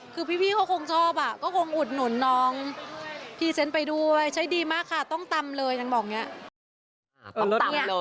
แล้วเขาทาไปด้วยแล้วก็พูดว่าใช้ดีอะไรอย่างนี้